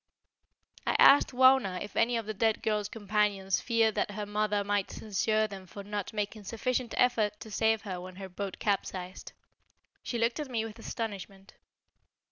I asked Wauna if any of the dead girl's companions feared that her mother might censure them for not making sufficient effort to save her when her boat capsized. She looked at me with astonishment.